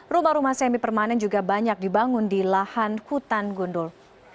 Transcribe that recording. rumah rumah semi permanen juga banyak dibangun di lahan hutan gundul